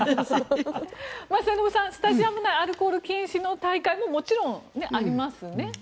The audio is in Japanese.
末延さん、スタジアム内アルコール禁止の大会ももちろんありますね。